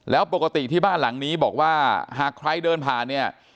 แล้วปกติที่บ้านหลังนี้บอกว่าหากใครเดินผ่านเนี่ย